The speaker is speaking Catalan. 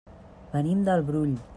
Venim del Brull.